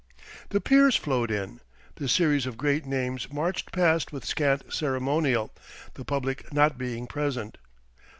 The peers flowed in. The series of great names marched past with scant ceremonial, the public not being present.